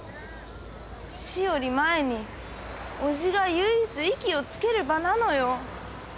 死より前におじが唯一息をつける場なのよ。